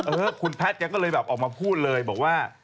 เออคุณแพทย์แกก็เลยแบบออกมาพูดเลยบอกว่า